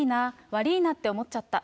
わりぃなって思っちゃった。